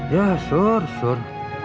ya sur sur